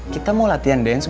kita mau latihan dance